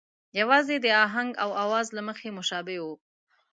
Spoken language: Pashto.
یوازې د آهنګ او آواز له مخې مشابه وو.